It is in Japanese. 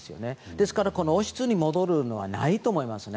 ですから、王室に戻るのはないと思いますね。